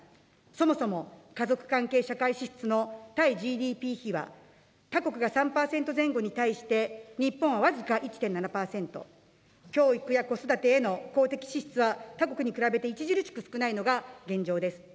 そもそも家族関係社会支出の対ＧＤＰ比は、他国が３％前後に対して、日本は僅か１．７％、教育や子育てへの公的支出は他国に比べて著しく少ないのが現状です。